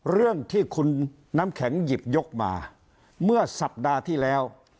เรื่องที่คุณน้ำแข็งหยิบยกมาเมื่อสัปดาห์ที่แล้ว